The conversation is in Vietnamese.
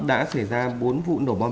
đã xảy ra bốn vụ nổ bom